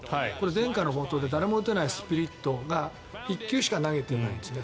伝家の宝刀で誰も打てないスプリットが１球しか投げてないんですね。